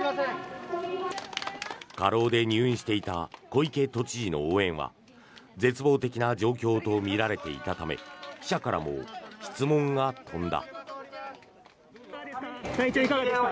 過労で入院していた小池都知事の応援は絶望的な状況とみられていたため記者からも質問が飛んだ。